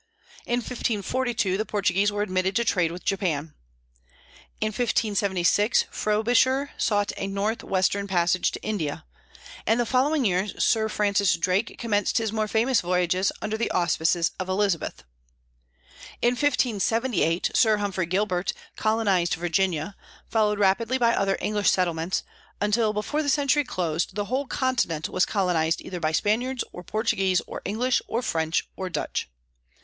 In 1542 the Portuguese were admitted to trade with Japan. In 1576 Frobisher sought a North western passage to India; and the following year Sir Francis Drake commenced his more famous voyages under the auspices of Elizabeth. In 1578 Sir Humphrey Gilbert colonized Virginia, followed rapidly by other English settlements, until before the century closed the whole continent was colonized either by Spaniards, or Portuguese, or English, or French, or Dutch.